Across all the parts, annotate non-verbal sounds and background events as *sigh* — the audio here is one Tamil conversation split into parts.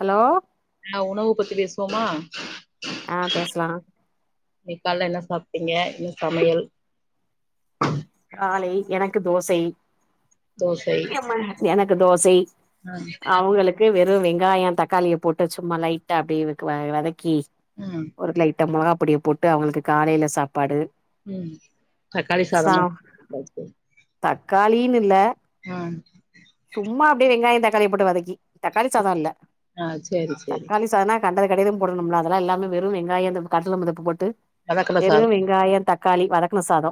ஹலோ நா உணவு பத்தி பேசுவோமா ஆ பேசலா இன்னைக் கால்ல என்ன சாப்டீங்க என்ன சமையல் காலை எனக் க்கு தோசை தோசை எம்மா எனக் க்கு தோசை ஆ அவங்களுக்கு வெர் ங்கு வெங்காயம் தக்காளிய போட்டு சும்மா லைட்டா அப்டியே வெக்கு வ வதக் கி ம் ஒரு லைட்டா மொளகாப் பொடிய போட்டு அவங்களுக்கு காலைல சாப்பாடு ம் தக்காளி சாதம்மா *inaudible* காலின் இல்ல ஆ சும்மா அப்டியே வெங்காயோ தக்காளிய போட்டு வதக்கி தக்காளி சாதோ இல்ல ஆ சரி சரி தக்காளி சாதோனா கண்டது கலியது போடணும்லா அதெல்லா இல்லாம வெறு வெங்காயோ அந்த கடல முதப்பு போட்டு வெலக்கல வெரு சாதம் வெங்காயோ தக் க்காளி வதக்கண சாதோ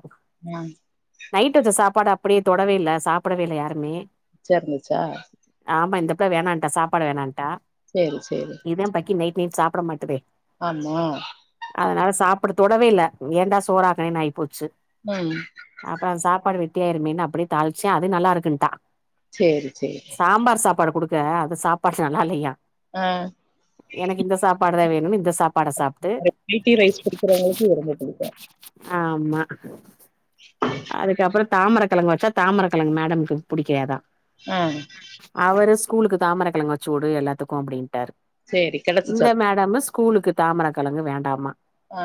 ஆ நைட் வச்ச சாப்பாடு அப்படியே தொடவே இல்ல சாப்பிடவே இல்ல யாருமே மிச்ச இருந்துச்சா ஆமா இந்தப்ள வேணான்டா சாப்பாடு வேணட்டா சேரி சேரி மீன் சாப்பிட மாட்டேது ஆமா பட தொடவே இல்ல ஏண்டா சோறாக்குனேனு ஆய் போச்சு உ அதா சாப்பாடு வெத்தியாயிருமேனு அப்டியே தாளிச்சே அது நல்லா இருக்குன்ட்டா சேரி சேரி பட குடுக்க அத சாப்பாடு நல்லா இல்லயா ஆ எனக்கு இந்த சாப்பாடுதா வேண் இல்லன்ஸ் அ வெரைட்டி ரைஸ் பிடிக்கிறவங்களுக்கு இது ரொம்ப பிடிக்கு ம்மா அதுக்கப்பறோ தாமிரக்கழங்க வச்சா தாமரக்கெழங்கு மேடம்க்கு பிடிக்காதா ஆ ஸூகூலுக்கு தாமரக்கிழங்க வச்சூடு எல்லாத்துக்கு அப்டின் ட்டாரு சேரி கெடச்சிச்சா இந்த மேடமு ஸ்கூலுக்கு தாமரக் கலங்கு வேண்டாமா ஆ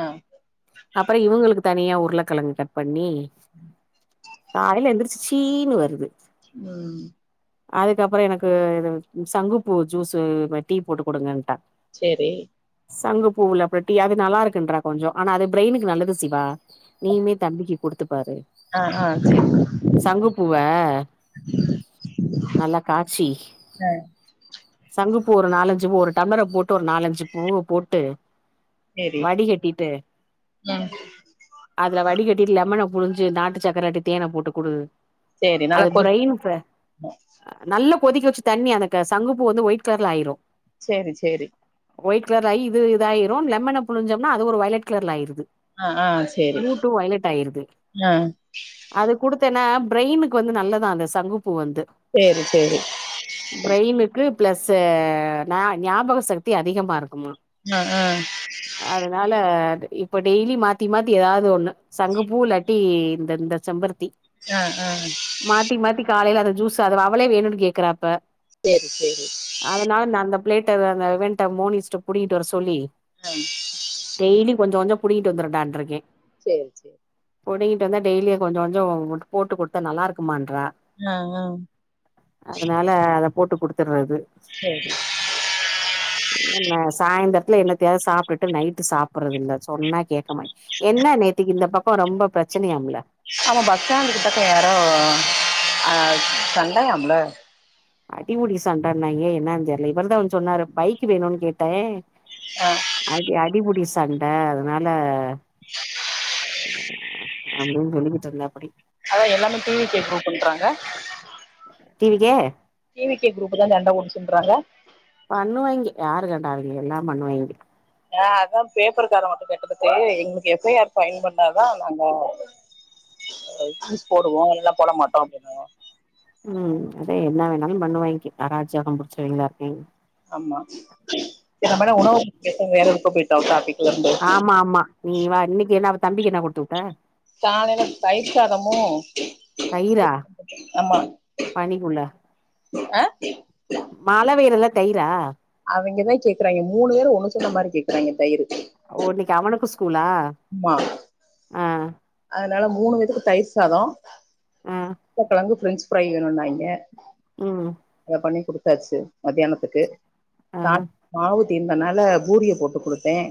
அப்றோ இவுங்களுக்கு தனியா உருள கெழங்கு கட் பண்ணி உம் காலைல எந்திரிச்சி சீனு வருது உ அதுக்கப்புறோ எனக்கு இது சங்குப்பூ ஜூஸு டீ போட்டு கொடுங்கன்ட்டா சேரி சங்கு பூல அப்புறோ டீ அது நல்லாருக்குன்றா கொஞ்சோ ஆனா அது பிரெயினுக்கு நல்லது சிவா நீயுமே தம்பிக்கு குடுத்துப்பாரு ஆ ஆ சேரி சங்குப்பூவ நல்ல காச்சி ஆ சங்குப் பூ ஒரு நாலஞ்சு பூ ஒரு டம்ளர போட்டு ஒரு நாலஞ்சு பூவ போட்டு சேரி வடிகட்டிட்டு ம் அதுல வடிகட் டி இல்லாம நா புழுஞ் சு நாட்டு சக்கர இல்லாட்டி தேன போட்டுக் குடு சேரி அது நல்லா கொதி பிரெயின்த நல்லப் கொதிக்க வெச்சு தண்ணி அந்த க சங்குப்பூ வந்து ஒயிட் கலர்ல ஆயிரு சேரி சேரி ஒயிட் கலர் ஆயி இது இதாயிரு லெமன புழுஞ்சம்னா அது ஒரு ஒயிலெட் கலர்ல ஆயிருது ஆ ஆ சேரி ப்ளூ டூ வயலட் ஆயிருது ஆ அது குடுத்தேனா பிரெயினுக்கு வந்து நல்லதா அந்த சங்குப் பூ வந்து சேரி சேரி பிரெயினுக்கு பிளஸ்ஸு நா ஞாபகோ சக்தி அதிகமாக இருக்குமா ஆ ஆ அதனால அது இப்ப டெய்லி மாத்தி மாத்தி எதாவது ஒண்ணு சங்குப்பூ இல்லாட்டி இந்தந்த சம்பருத்தி ஆ ஆ மாத்தி மாத்தி காலைல அத ஜூசா அது வாவ் அவளே வேணுனு கேக்குறா இப்ப சேரி சேரி அதனால நா அந்த பிளேட் ட அந்த வெண்ட மோனிஸ்ட புடிங்கிட்டு வர சொல்லி ஆ டெய்லி கொஞ்ச கொஞ்சோ புடுங்கிட்டு வந்துருண்டான் இருக்கே சேரி சேர் புடுங்கிப் ட்டு வந்தா டெய்லியு கொஞ்ச கொஞ்சோ போட்டு குடுத்த நல்லாருக்குமான்றா அ அ அதனால அத போட்டு குடுத்தறது சேரி என்ன இந்த சாய்ந்தர த்துல என்னத்தயாவது சாப்டுட்டு நைட்டு சாப்புறதில்ல சொன்னா கே க்க மாய் என்ன நேத்திக்கு இந்த பக் ரொம்ப பேச பிரச்சனையாம்ல ஆமா பஸ் ஸ்டாண்டு கிட்டக்க யாரோ ஹ சண்டையாம்ல அடி புடி சண்டைனாங்கே என்ன தெரியல இவரு தா சொன்னாரு பைக் வேணும்னு கேட்டேன் ஆ அடி அடிபுடி சண்ட அதனால அப்டின்னு சொல்லிக்கிட்டு இருந்தேன் அதான் எல்லாமே டி. வி. கே குரூப்ண்றாங்க T. V. K T. V. K group தான் சண்ட போட்டுச்சின்றாங்க பண்ணுவாய்ங்க யாரு கண்டா அவேங்க எல்லாம் பண்ணுவாங்க ஹ அதான் பேப்பர் கார வந்து கேட்டதுக்கு எங்களுக்கு எப். ஐ. ஆர் பைல் பண்ணாதா நாங்க போடுவோம் இல்ல போட மாட்டோம் அப்டின்னும் உம் அதே என்ன வேணாலும் பண்ணுவாங்கே அராஜகம் புடிச்சவங்களா இருக்கேங்கலே ஆமா நம்மளாம் உணவு வேற இருக்க போயி டாபிக் ஆமா ஆமா நீ வா இன்னிக்கு ஏனா தம்பிக்கு என்னா கொடுத்து விட்டா காலையில தயிர் சாதமும் தயிரா ஆமா ஹ மழை பெய்து தையிரு ரா அவெங்கதான் கேக்குறங்க மூணு பேரும் ஒன்னு சேந்த மாதிரி கேக்குறங்க தயிறு ஓ இன்னைக்கு அவனுக்கு ஸ்கூலா ஆமா ஆ அதனால மூணு பேத்துக்கு தயிர் சாதம் ஆ உருளைகிழங்கு பிரெஞ்சு ப்ரைய் வேணும் நாங்க ம் அத பண்ணி குடுக்க செரி மத்தியானத்துக்கு ஆ கா மாவு தீந்தனால பூரிய போட்டு கொடுத்தேன்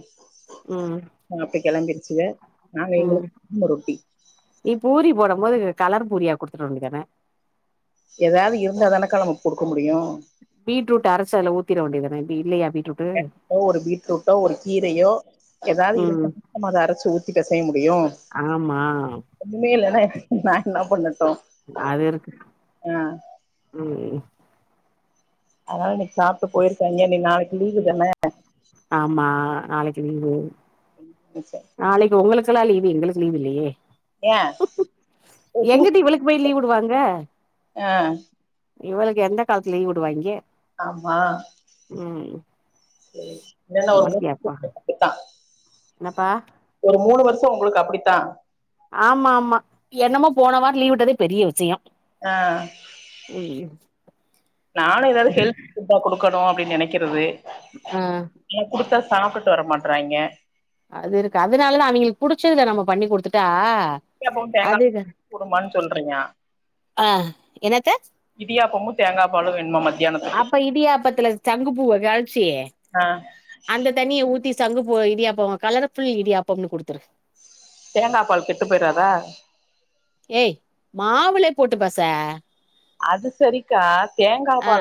ம் ஹ அப்ப கெளம்பி ங்க நா ம் எங்குளுக்கு நீ பூரி போடு வரும் போது கலர் பூரியா குடுத்தற வேண்டியதுதான எதாவது இருந்தாதானக்கா நம்ம குடுக்க முடியு பீட்ரூட்ட அரச்சு அதுல ஊத் திற வேண்டியதான இது இல்லையா பீ அ எதோ ஒரு பீட்ரூட்டோ ஒரு கீரையோ எதாவது ம் இருந்தாதா நம்ம அத அரைச்சு ஊத்திட்டு அது செய்ய முடியு ஆமா ஒன்னுமே இல்லனா நா என்னா பண்ண அது இருக்கு ம் அதா இன்னைக்கி சாப்ட்டு போயிருக்காங்க இனி நாளைக்கு லீவு தான ஆமா நாளைக்கி லீவு நெனச்சே நாளைக்கி உங்களுக்கெல்லா லீ வு எங்களுக்கு லீவு இல்லையே. ஏ ஓ டியூஸ் எங்கிட்டு இவளுக்கு போய் லீவு விடுவாங்க ஆ இவளுக்கு எந்த காலத்துல லீவு விடுவாய்ங்க ஆமா ம் சேரி என்னன்னா ஒரு நம்மளுக்கு எப்பா *inaudible* என்னப்பா ஒரு மூணு வருஷோ உங்களுக்கு அப்பிடித்தா ஆமா ஆமா என்னமோ போன வாரோ லீவ் விட்டதே பெரிய விஷயோ ஆ ம் க்கணு அப்டின்னு நெனைக்கிறது ஆ இத குடுத்தா சாப்புட்டு வர மாட்றாய்ங்க அது இருக்கு அதனாலதா அவிங்களுக்கு புடிச்சதுல நம்ம பண்ணி குடுத்துட்டா இடியாப்பமு தேங்கா அது போடுமான்னு சொல்றீங்க ஆ என்னத்த இடியாப்பமு தேங்காப் பாலு வேணுமாமா அப்ப இடியாப்பத்துல சங்குப்பூவ கரைச்சி ஆ அந்த தண்ணிய ஊத்தி சங்கு பூவ இடியாப்போ கலர்ஃபுல் இடியாப்பம்னு குடுத்துரு தேங்காப் பால் கெட்டு போய்றாதா ஏய் மாவுல போட்டு பெச அது சரி ஆ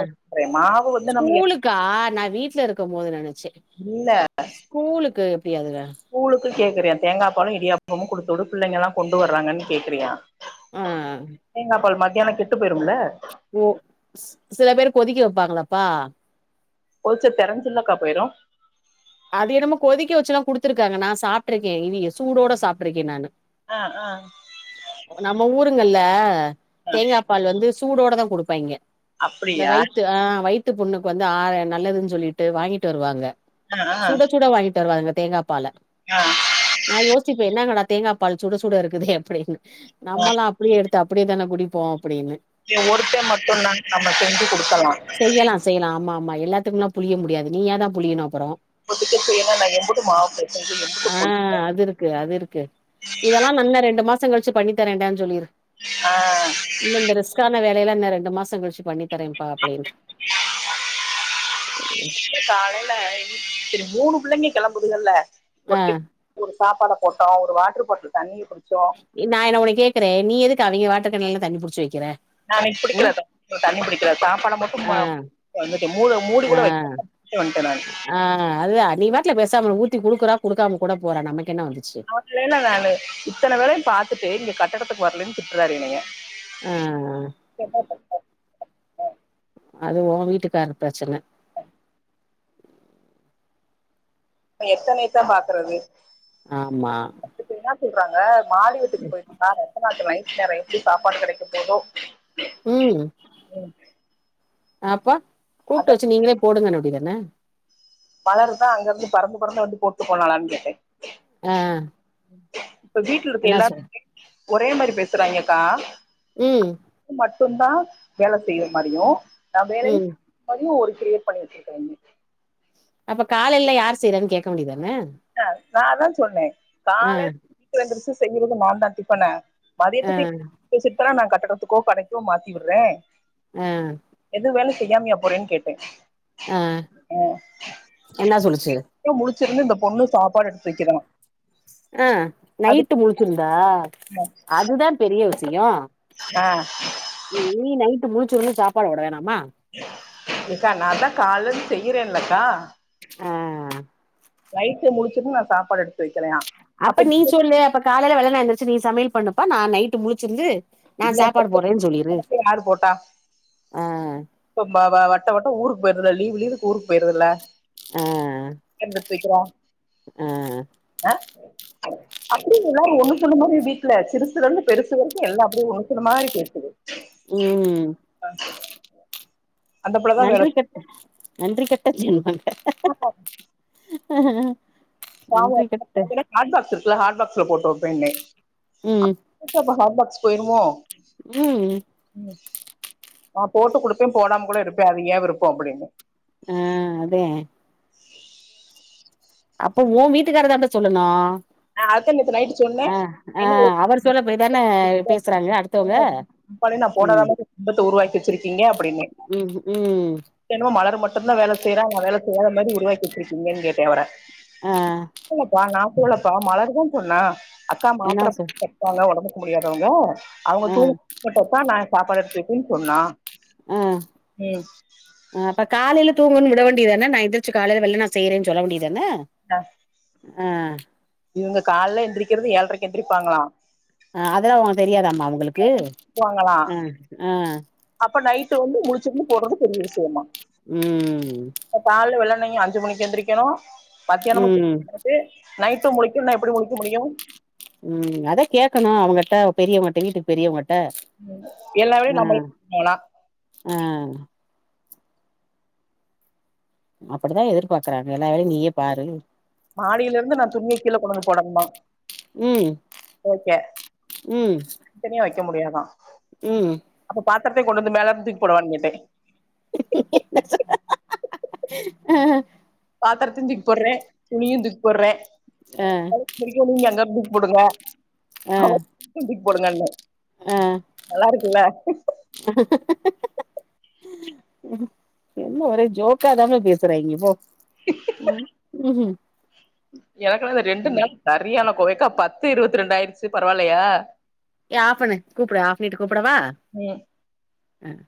வந்து நம்ம ஸ்கூலுக்கா நா வீட்ல இருக்கும் போதுனு நெனைச்சே இல்ல ஸ்கூலுக்கு எப்டி அதுல கூல் கேக்குறியா தேங்கா பாலு இடியாப்பமு குடுத்து பிள்ளைங்க எல்லா கொண்டு வராங்கன் கேக்குறியா ஆ தேங்கா பால் மத் எனக்கெட்டும் ஓ சில பேரு கொதிக்க வெப்பாங்களாப் பா கொதுச்சா தெரஞ்சுலாக்கா போயிரு அது என்னமோ கொதிக்க வெச்சுல்லா குடுத்துருக்காங்க நா சாப்ட்ருக்கே இவிய சூடோட சாப்ட்ருக்கே நானு ஆ ஆ நம்ம ஊர் ங்கல்ல ஆ தேங்கா பால் வந்துஸ் சூடோடதா குடுப்பாங்கியே இந்த அப்டியா வயித்து ஆ வயித் த்து புண்ணுக்கு வந்து ஆறே நல்லதுன் சொல்லிட்டு வாங்கிட்டு வருவாங்க ஆ ஆ சுட சுட வாங்கி தருவாங்க தேங்காப் பால ஆ ஆ நா யோச்சுப்பே என்னங்கடாத் தேங்கா பால் சுடு சுட இருக்குதே அப்டின்னு நம்மல்லா அப்டியே எடுத் தா அப்டியேதான குடிப்போ அப்டின்னு இவ ஒருத்த மட்டுந்தான் நம்ம செஞ்சு கொடுக்கலா எல்லாத்துக்குலாம் புளிய முடியாது நீயாதா புளியணு அப்புறோ இப்போதைக்கு செய்யல நா எம்புட்டு மாவு பெசஞ்சு எம்புட்டு ஆ பொரிப்பே அது இருக்கு அது இருக்கு இதெல்லா நன்ன ரெண்டு மாஸ் மாசங் கழுச்சு பண்ணி தரேண்டான் சொல்லிரு ஆ இல்ல இந்த ரிஸ்க்கான வே லய எல்லா இன்னு ரெண்டு மாசங் கழுச்சு பண்ணி தரேம்ப்பா அப்டின்ரு சேரி மூணு புள்ளைங்க கெளம்புதுகள்ல *inaudible* ஆ சாப்பாட போட்டோ ஒரு வாட்ரு பாட்லு தண்ணீர் குடு நா என்ன உன்ன கேக்குறே நீ எதுக்கு அவிங்க வாட்டர்கேன்ல நீ ஏ தண்ணி புடிச்சு வெக்குற நா இன்னிக்கு புடிக்கல தண்ணி புடிக்கல சாப்பாட ஆ மட்டு மூட மூடி கூட ஆ வக்கல வந்துட்டே நானு ல பேசாம ஊத்தி குடுக்குறா குடுக்காம கூட போற நமக்கு என்ன வந்துச்சு அவனலல்லா நானு இத்தன வேலயு பாத்துட்டு இங்க க படத்துக்கு வரலைன்னு திட்ராரு என்னய ஆ ஆ அது ஓ வீட்டுக்காரு பிரச்சன எத்தனையத்தா பாக்குறது ஆமா இப்ப என்ன சொல்றாங்க மாலியத்துக்கு போயிந்த ரத்தனாத்த மயி வேற எப்டி சாப்பாடு கிடைக்க போதோ உம் ஆப்பா அத கூப்ட்டு வச்சு நீங்களே போடுங்கனனு அப்டிதானா மலர் தா அங்க இருந்து பறந்து பறந்து வந்து போட்டு போனாளான்னு கேட்டே ஆ *inaudible* இப்ப வீட்ல இருக்க என்ன சொல் எல்லார ஒரே மாரி பேசுறாங்கக்கா ம் மட்டுந்தா வேல செய்ற மாரியு நான் வேல ம் மதியு ஒரு கிரியேட் பண்ணி வச்சிருக்காங்க அப்ப காலேல்ல யார் செய்றான் கேக்க வேண்டியது தான க்கா நா அதா சொன்னே ஆ காலேயட்டு வந்துருச்சு செய்யுறது நா தா டிப்பன ஆ மதியத்துக்கு சேத்து நான் க கட்டத்துக்கோ கடைக்கோ மாத்தி விட்றே ஆ செய்யாம்யா போறேன் கேட்ட ஆ என்ன சொல்லுச்சு ஒண்ணு சாப்பாடு எடு வெக்கணு ஆ நைட்டு முழுச்சுருந்தா அதுதா பெரிய விஷ் ஷியோ ஆ ம் நீ நைட் டு முழுச்சுருந்து சாப்பாடு போட வேணாமா ஹ எக்கா நாந்தா கால்லருந்து செய்யறேன்லக்கா ஆ நைட்டு முழுச்சுருந்து நா சாப்பாடு எடுத்து வெக்கலையா அப்ப நீ சொல்லு அப்ப காலைல வெள்ளனா எந்துருச்சு நீ சமையல் பண்ணுப்பா நா நைட்டு முழுச்சுருந்து இல்ல *inaudible* யாரு போட்டா ஆ கும்பா வா வட்ட வட்ட ஊரு கும்பறத லீவு லீவுக் ஊருக்கு போயிறல்ல ஆ என்னப் போயிக்கறா ஆ அப்டின் இல்லாம ஒண்ணு சொன்ன மாரி வீட்ல சிறுசுல இருந்து பெருசு வரைக்கு எல்லாம் அப்டியே ஒண்ணு சொன்ன மாரி பேசுது ம் அந்த புள்ளதா வேல நன்றி கெட்ட நன்றி கெட் கெட்ட ஜென்மங் ஹ *inaudible* ஸ்லா ஹாட்பாக்ஸ்ல போட்டு வெப்பேன்னே ம் எல்லா ஹாட்பாக்ஸ் போயிருமோ ம் ம் நா போட்டு குடுப்பே போடாம கூட இருப்பே அது ஏ விருப்போ அப்புடின்னு ஆ அதே அப்ப ஓ வீட்டுக்கார்தாம்ள சொல்லனு ஆ அதுதா நேத்து நைட்டு சொன்னே என்ன *inaudible* அவர் சொல்ல போய்தான பேசுறாங்க அடுத்தவங்க ம் உருவாக்கி வச்சிருக்கீங்க அப்புடின்னு இப்ப ம் ம் என்னமோ மலர மட் அந்த புள்ள வேல செய்றா அவுங்க வேல செய்யாத மாரி உருவாக்கி வச்சிருக்கீங்கன் கேட்டே அவர ஆ ஓ அப்ப ந டுவ்ல இப்ப மலரு தா பொண்ணா அக்கா என்னா மாத்துர சொல் செட்டால ஒடம்புக்கு முடியா தவுங்க அவுங்க ஆ தூங்குனா மட்டுதா நா சாப்பாடு எடுத்து வக்கென் சொன்னா ஆ ம் ஆ அப்ப காலைல தூங்குனு சொல் ல வேண்டியதான நா எந்துருச்சு காலைல வெள்ளன செய்றேன் சொல்ல வேண்டிய தான ஆ இவுங்க கால்ல எந்திரிக்கிறது ஏழ்ரைக்கு எந்திரிப்பாங்களா அ அதெல்லா அவுங்க தெரியாதா மா அவுங்களுக்கு வாங்களா அ ஆ அப்ப நைட்டு வந்து முழிச்சுருந்து போட்றது பெரிய விஷயமா ம் னயு அஞ்சு மணிக்கு எந்திரிக்கெனு மத்தியானமு ம் *inaudible* நைட்டு முழிக்கன்னா எப்டி முழிக்க முடியு ம் அதா‌ கேக்கனு அவுங்கட்ட பெரியவுங்கட்ட வீட்டுக்கு பெரியவுங்க எல்லா வேலயு நம்பளே ஆ *unintelligible* அப்பிடிதா எதிர்பாக்குறாங்க எல்லா வேலையு நீயே பாரு மாடியிலருந்து நா துணிய கீழ கொண்டந்து போடனுமா ம்‌ ம் க்க முடியாதா ம் பாத்திரத்தை கொண்டு வந்து மேலர்ந்து தூக்கி போடவான் கேட்டே ஆஹ் பாத்திரத தூக்கி போடுறேன் துணியும் தூக்கி போடுறேன் ஆ ங்க எங்க கொடுங்க ஆ *inaudible* போடுங்க ஆ நல்லா இருக்குல்ல உம் ஒரே ஜோக்கா தாங்க பேசுறிங்க இப்போ உம் உம்ம் எனக்கு ரெண்டு நேரம் சரியான கா பத்து இருபத்தி ரெண்டு ஆயிடுச்சு பரவாயிலயா ஏ ஆபன்னு கூப்பிடு ஆப் பண்ணிட்டு கூப்பிடவா ம் உம்